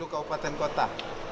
sepuluh kaupaten kota